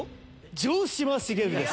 城島茂です。